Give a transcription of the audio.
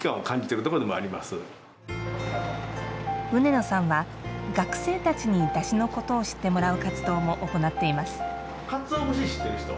釆野さんは、学生たちにだしのことを知ってもらうかつお節を知っている人。